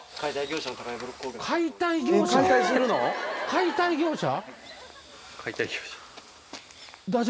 解体業者！？